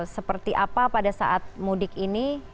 seperti apa pada saat mudik ini